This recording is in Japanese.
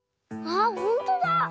あっほんとだ！